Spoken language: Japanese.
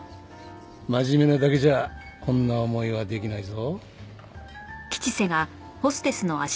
真面目なだけじゃこんな思いはできないぞ。